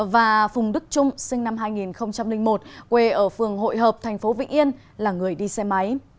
và phùng đức trung sinh năm hai nghìn một quê ở phường hội hợp thành phố vĩnh yên là người đi xe máy